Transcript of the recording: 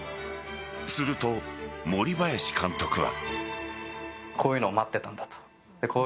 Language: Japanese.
すると、森林監督は。